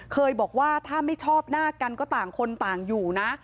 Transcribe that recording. เคยบอกว่าถ้าไม่ชอบหน้ากันก็ต่างคนต่างอยู่นะ